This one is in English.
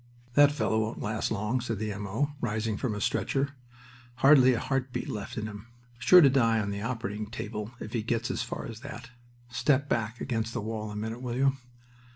"That fellow won't last long," said the M. O., rising from a stretcher. "Hardly a heart beat left in him. Sure to die on the operating table if he gets as far as that... Step back against the wall a minute, will you?"